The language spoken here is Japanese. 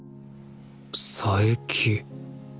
佐伯